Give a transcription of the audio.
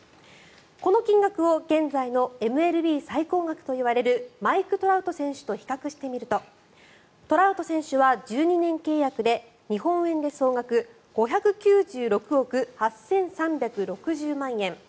この金額を現在のＭＬＢ最高額といわれるマイク・トラウト選手と比較してみるとトラウト選手は１２年契約で日本円で総額５９６億８３６０万円。